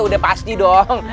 udah pasti dong